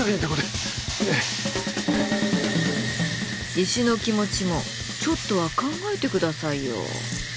石の気持ちもちょっとは考えてくださいよ。